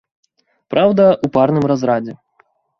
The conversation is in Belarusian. Праўда, у парным разрадзе.